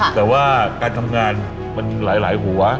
แต่ว่าการทำงานมันหลายหัว